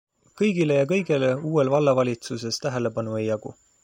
Kõigile ja kõigele uuel vallavalitsuses tähelepanu ei jagu.